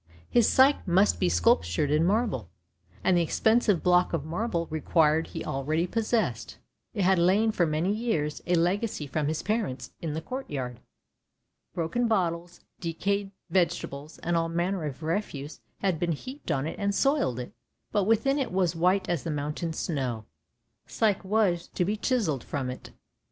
His Psyche must be sculptured in marble, and the expensive block of marble required he already possessed: it had lain for many years, a legacy from his parents, in the court yard. Broken bottles, decayed vegetables, and all manner of refuse, had been heaped on it and soiled it, but within it was white as the mountain snow. Psyche was to be chiselled from it.